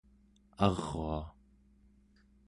arua